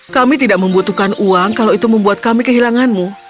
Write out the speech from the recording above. kami tidak membutuhkan uang kalau itu membuat kami kehilanganmu